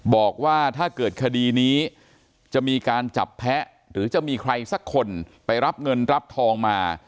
บอกว่าถ้าเกิดคดีนี้จะมีการจับแพ้หรือจะมีใครสักคนไปรับเงินรับทองมา